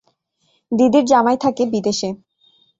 দিদির জামাই থাকে বিদেশে।